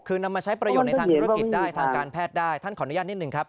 คือนำมาใช้ประโยชน์ในทางธุรกิจได้ทางการแพทย์ได้ท่านขออนุญาตนิดหนึ่งครับ